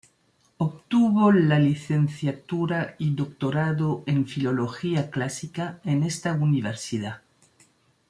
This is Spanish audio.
Obtuvo la licenciatura y doctorado en Filología Clásica en esta universidad.